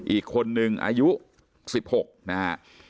อีกคนนึงอายุ๑๖นะฮะ